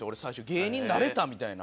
芸人なれた！みたいな。